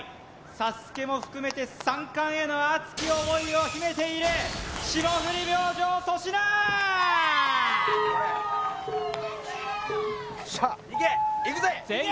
ＳＡＳＵＫＥも含めて３冠への熱き思いを秘めているよっしゃいくぜいけ